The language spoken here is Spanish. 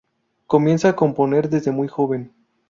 Comienza a componer desde muy joven.